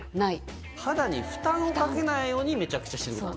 肌に負担をかけないようにめちゃくちゃしてることなんだ。